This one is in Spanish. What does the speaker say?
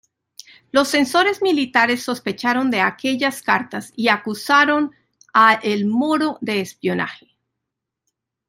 Los censores militares sospecharon de aquellas cartas y acusaron a Il Moro de espionaje.